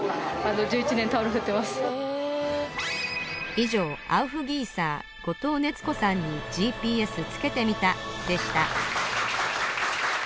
以上アウフギーサー五塔熱子さんにＧＰＳつけてみたでした